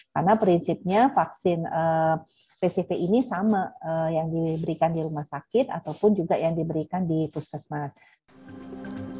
karena prinsipnya vaksin pcv ini sama yang diberikan di rumah sakit ataupun juga yang diberikan di puskesmas